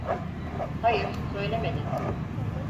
Hayır, söylemedin.